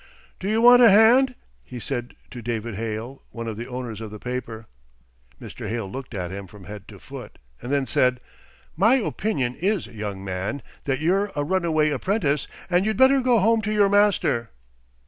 "Do you want a hand?" he said to David Hale, one of the owners of the paper. Mr. Hale looked at him from head to foot, and then said: "My opinion is, young man, that you're a runaway apprentice, and you'd better go home to your master."